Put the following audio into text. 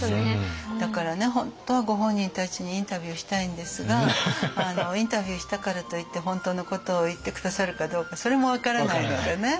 だからね本当はご本人たちにインタビューしたいんですがインタビューしたからといって本当のことを言って下さるかどうかそれも分からないのでね。